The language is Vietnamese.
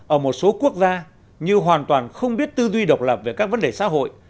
ở một số quốc gia như hoàn toàn không biết tư duy độc lập về các vấn đề xã hội